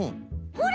ほら！